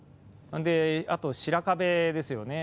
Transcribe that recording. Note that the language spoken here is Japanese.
あと白壁ですよね。